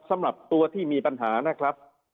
สำหรับตัวที่มีปัญหานะครับ